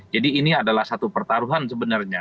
jadi ini adalah satu pertaruhan sebenarnya